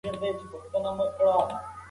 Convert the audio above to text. مونږ نسو کولای یوازې ژوند وکړو.